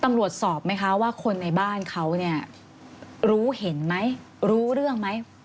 ตำรวจสอบไหมคะว่าคนในบ้านเขาเนี่ยรู้เห็นไหมรู้เรื่องไหม